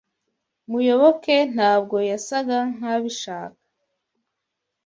Muyoboke ntabwo yasaga nkabishaka.